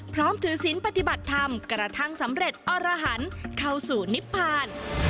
พร้อมถือศิลป์ปฏิบัติธรรมกระทั่งสำเร็จอรหันต์เข้าสู่นิพพาน